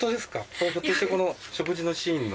これひょっとしてこの食事のシーンの。